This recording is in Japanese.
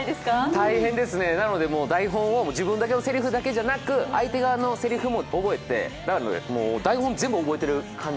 大変ですね、なので台本を自分だけのせりふだけじゃなく相手側のセリフも覚えて、台本全部覚えてる感じ。